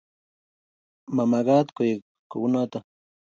mamagaat koek kunooto